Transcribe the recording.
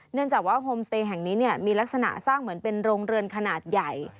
เนื่องจากว่าโฮมสเตย์แห่งนี้มีลักษณะสร้างเหมือนเป็นโรงเรือนขนาดใหญ่